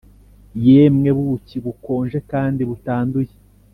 yemwe buki bukonje kandi butanduye